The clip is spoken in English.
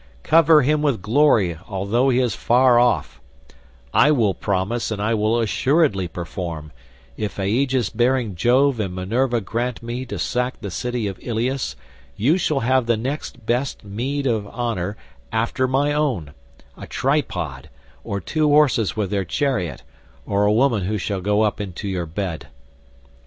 Cover him with glory though he is far off; I will promise and I will assuredly perform; if aegis bearing Jove and Minerva grant me to sack the city of Ilius, you shall have the next best meed of honour after my own—a tripod, or two horses with their chariot, or a woman who shall go up into your bed."